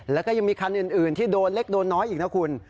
แล้วก็ยังมีคันอื่นที่โดนเล็กโดนน้อยอีกนะคุณ